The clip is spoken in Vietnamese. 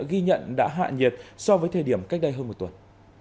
ghi nhận đã hạ nhiệt so với thời điểm cách đây hơn một tuần